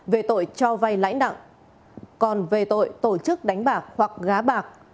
về tội cho vay lãnh đặng còn về tội tổ chức đánh bạc hoặc gá bạc